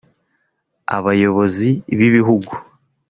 abayobozi b’ibihugu